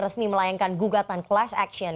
resmi melayangkan gugatan